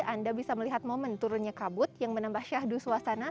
anda bisa melihat momen turunnya kabut yang menambah syahdu suasana